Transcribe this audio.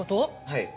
はい。